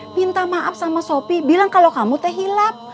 minta maaf sama sopi bilang kalau kamu teh hilap